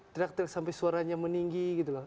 teriak teriak sampai suaranya meninggi gitu loh